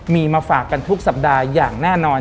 มีมาฝากกันทุกสัปดาห์อย่างแน่นอน